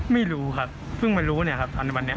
ไม่รู้ครับเพิ่งมารู้เนี่ยครับอันในวันนี้